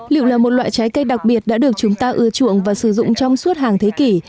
liệu là một loại trái cây đặc biệt đã được chúng ta ưa chuộng và sử dụng trong suốt hàng thế kỷ